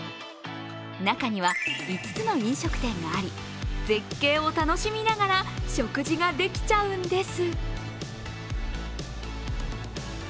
中には５つの飲食店があり絶景を楽しみながら食事ができちゃうんです。